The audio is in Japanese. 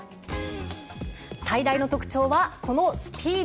最大の特徴はこのスピード。